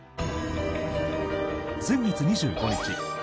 先月２５日